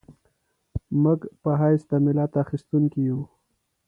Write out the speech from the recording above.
موږ په حیث د ملت اخیستونکي یو.